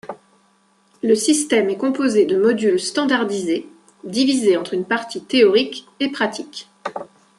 Le système est composé de modules standardisés, divisés entre une partie théorique et pratique.